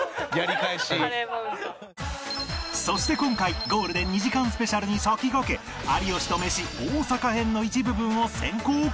そして今回ゴールデン２時間スペシャルに先駆け有吉とメシ大阪編の一部分を先行公開！